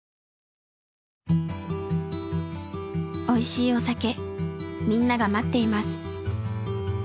「おいしいお酒みんなが待っています」。